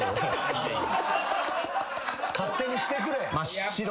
勝手にしてくれ。